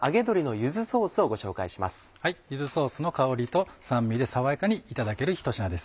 柚子ソースの香りと酸味で爽やかにいただけるひと品です。